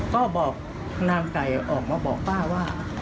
ก็บอกนางไก่ออกมาบอกป้าว่า